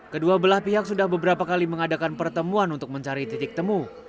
kedua belah pihak sudah beberapa kali mengadakan pertemuan untuk mencari titik temu